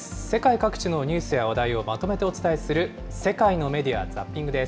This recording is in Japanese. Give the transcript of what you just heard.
世界各地のニュースや話題をまとめてお伝えする、世界のメディア